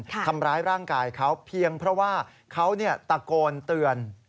ทำร้ายร่างกายเขาเพียงเพราะว่าเขาตะโกนเตือน